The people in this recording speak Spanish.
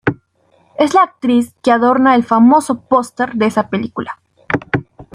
Es la actriz que adorna el famoso póster de esa película.